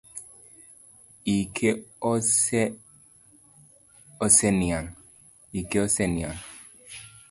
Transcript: Ike oseniang'.